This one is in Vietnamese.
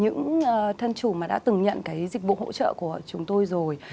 những thân chủ mà đã từng nhận cái dịch vụ hỗ trợ của chúng tôi rồi